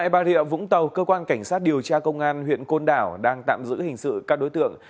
tại bà rịa vũng tàu cơ quan cảnh sát điều tra công an huyện côn đảo đang tạm giữ hình sự các đối tượng